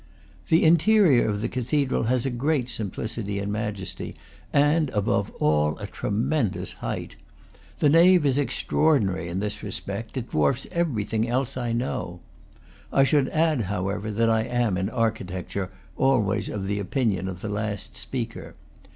The interior of the cathedral has a great simplicity and majesty, and, above all, a tremendous height. The nave is extraordinary in this respect; it dwarfs every thing else I know. I should add, however, that I am, in architecture, always of the opinion of the last speaker.